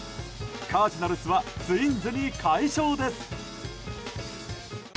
カージナルスはツインズに快勝です。